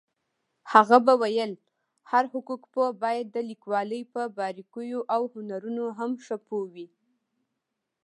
هغە به ویل هر حقوقپوه باید د لیکوالۍ په باريكييواو هنرونو هم ښه پوهوي.